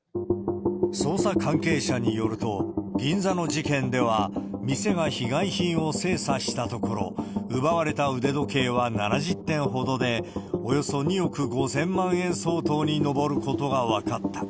捜査関係者によると、銀座の事件では、店が被害品を精査したところ、奪われた腕時計は７０点ほどで、およそ２億５０００万円相当に上ることが分かった。